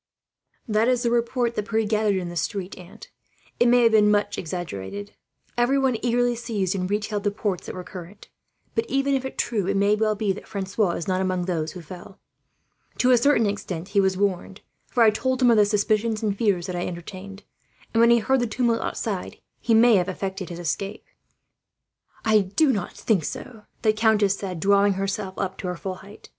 "That is the report that Pierre gathered in the street, aunt. It may have been exaggerated. Everyone eagerly seized and retailed the reports that were current. But even if true, it may well be that Francois is not among those who fell. To a certain extent he was warned, for I told him the suspicions and fears that I entertained; and when he heard the tumult outside, he may have effected his escape." "I do not think so," the countess said, drawing herself up to her full height.